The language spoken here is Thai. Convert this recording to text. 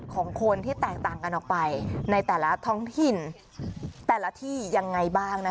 ของคนที่แตกต่างกันออกไปในแต่ละท้องถิ่นแต่ละที่ยังไงบ้างนะคะ